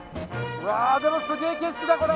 うわすげえ景色だこれ。